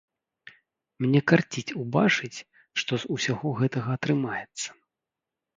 Мне карціць убачыць, што з усяго гэтага атрымаецца.